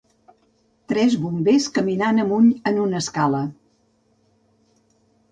Tres bombers caminant amunt en una escala.